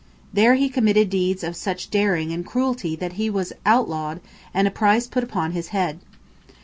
There he committed deeds of such daring and cruelty that he was outlawed and a price put upon his head.